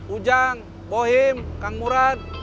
ujang bohim kang murad